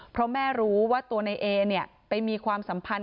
เพราะแม่รู้ว่าตัวนายเอไปมีความสัมพันธ์